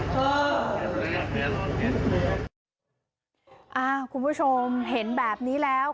จะยินอ่าคุณผู้ชมเห็นแบบนี้แล้ว